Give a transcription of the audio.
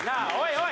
おい